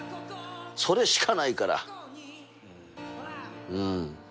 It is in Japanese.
それしかないからうん。